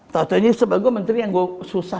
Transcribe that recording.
taunya seba gue menteri yang gue susah